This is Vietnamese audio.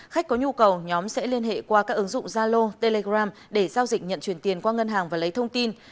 khách có nhu cầu nhóm sẽ liên hệ qua các ứng dụng zalo telegram để giao dịch nhận truyền tiền qua ngân hàng và lấy thông tin